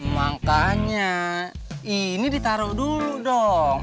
makanya ini ditaruh dulu dong